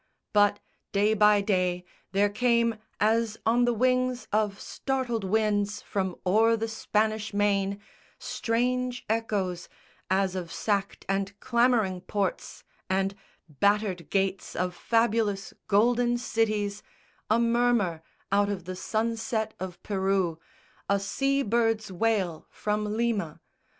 But, day by day, there came as on the wings Of startled winds from o'er the Spanish Main, Strange echoes as of sacked and clamouring ports And battered gates of fabulous golden cities, A murmur out of the sunset of Peru, A sea bird's wail from Lima.